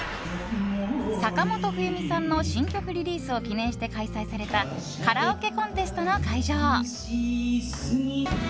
坂本冬美さんの新曲リリースを記念して開催されたカラオケコンテストの会場。